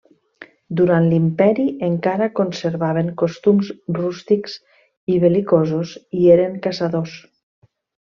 Durant l'imperi encara conservaven costums rústics i bel·licosos i eren caçadors.